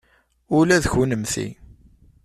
Ula d kunemti.